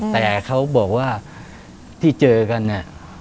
แต่เขาบอกว่าที่เจอกันเนี่ย